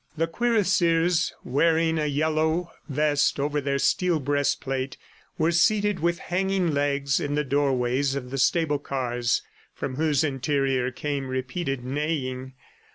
The cuirassiers, wearing a yellow vest over their steel breastplate, were seated with hanging legs in the doorways of the stable cars, from whose interior came repeated neighing.